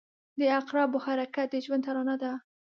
• د عقربو حرکت د ژوند ترانه ده.